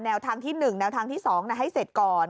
ทางที่๑แนวทางที่๒ให้เสร็จก่อน